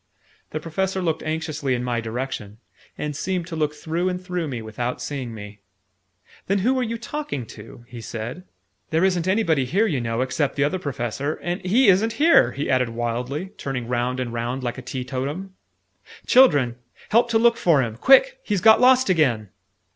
The Professor looked anxiously in my direction, and seemed to look through and through me without seeing me. "Then who are you talking to?" he said. "There isn't anybody here, you know, except the Other Professor and he isn't here!" he added wildly, turning round and round like a teetotum. "Children! Help to look for him! Quick! He's got lost again!"